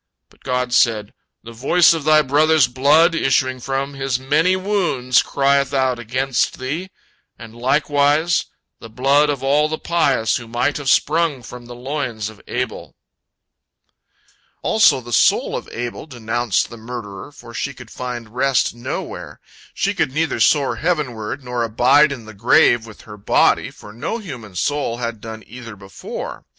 But God said, "The voice of thy brother's blood issuing from his many wounds crieth out against thee, and likewise the blood of all the pious who might have sprung from the loins of Abel." Also the soul of Abel denounced the murderer, for she could find rest nowhere. She could neither soar heavenward, nor abide in the grave with her body, for no human soul had done either before.